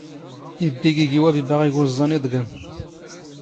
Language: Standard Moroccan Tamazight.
ⵉⴱⴱⵉ ⴳⵉⴳⵉ ⵡⴰⴱⵉⴱⴰ ⵖ ⵉⴳⵓⵥⵥⴰⵏ.